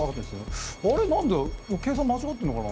計算間違ってるのかな。